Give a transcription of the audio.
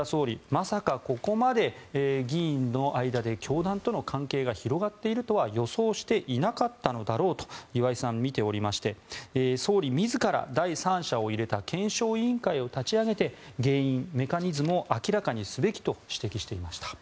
まさかここまで議員の間で教団との関係が広がっているとは予想していなかったのだろうと岩井さんは見ておりまして総理自ら第三者を入れた検証委員会を立ち上げて原因、メカニズムを明らかにすべきと指摘されていました。